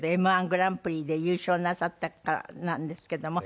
Ｍ−１グランプリで優勝なさったからなんですけども。